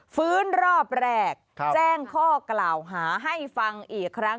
ฟื้นรอบแรกแจ้งข้อกล่าวหาให้ฟังอีกครั้ง